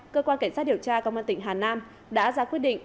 cơ quan cảnh sát điều tra công an tỉnh hà nam đã ra quyết định